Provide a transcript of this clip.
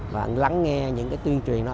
và lắng nghe những cái tuyên truyền đó